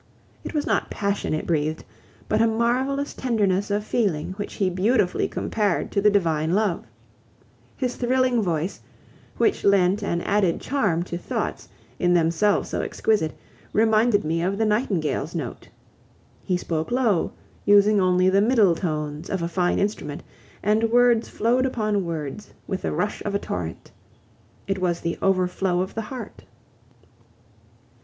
It was not passion it breathed, but a marvelous tenderness of feeling which he beautifully compared to the divine love. His thrilling voice, which lent an added charm to thoughts, in themselves so exquisite, reminded me of the nightingale's note. He spoke low, using only the middle tones of a fine instrument, and words flowed upon words with the rush of a torrent. It was the overflow of the heart.